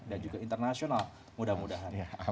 dan juga internasional mudah mudahan